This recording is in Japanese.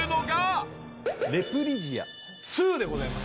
レプリジアⅡでございます。